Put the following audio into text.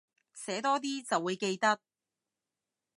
寫多啲就會記得